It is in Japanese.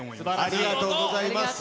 ありがとうございます。